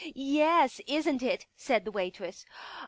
" Yes, isn't it," said the waitress.